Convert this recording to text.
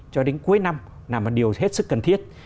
cho đến cuối năm là một điều hết sức cần thiết